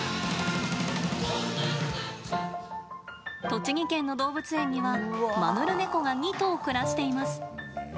栃木県の動物園にはマヌルネコが２頭暮らしています。